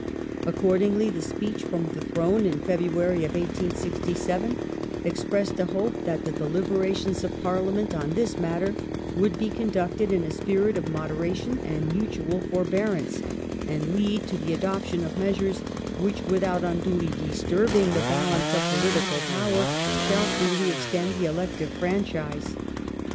Accordingly the Speech from the Throne, in February, 1867, expressed a hope that the deliberations of Parliament on this matter would be *' conducted in a spirit of moderation and mutual forbeai ance," and lead " to the adoption of measures which, without unduly disturbing the balance of political power, shall fi eely extend the elective franchise